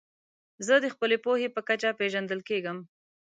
زه د خپلي پوهي په کچه پېژندل کېږم.